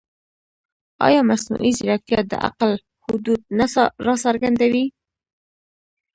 ایا مصنوعي ځیرکتیا د عقل حدود نه راڅرګندوي؟